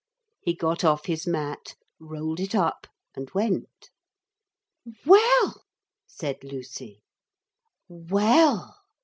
He got off his mat, rolled it up and went. 'Well!' said Lucy. 'Well!'